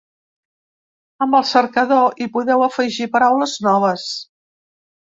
Amb el cercador, hi podeu afegir paraules noves.